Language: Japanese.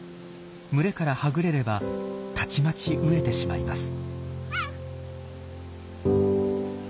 群れからはぐれればたちまち飢えてしまいます。